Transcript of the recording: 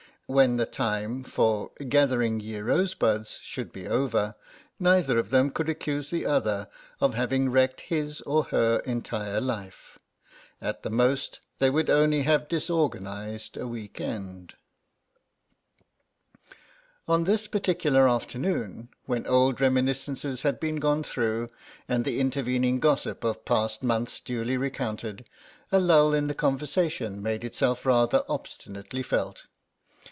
When the time for gathering ye rosebuds should be over, neither of them could accuse the other of having wrecked his or her entire life. At the most they would only have disorganised a week end. On this particular afternoon, when old reminiscences had been gone through, and the intervening gossip of past months duly recounted, a lull in the conversation made itself rather obstinately felt.